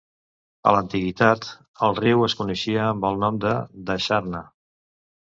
A l'antiguitat, el riu es coneixia amb el nom de "Dasharna".